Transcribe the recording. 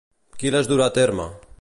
Qui les durà a terme?